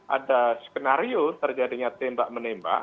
ada skenario terjadinya tembak menembak